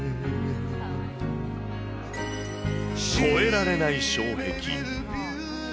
越えられない障壁。